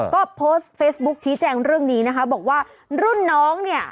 ก็โพสต์เฟซบุ๊คชี้แจงเรื่องนี้นะคะบอกว่ารุ่นน้องเนี่ย